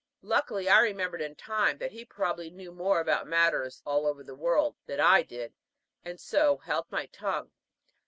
Luckily I remembered in time that he probably knew more about matters "all over the world" than I did, and so held my tongue.